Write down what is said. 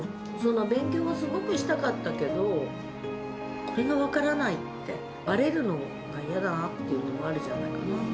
勉強はすごくしたかったけど、これが分からないって、ばれるのが嫌だなっていう部分もあるんじゃないかな。